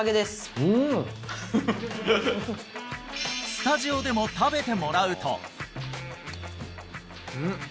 スタジオでも食べてもらうとうん？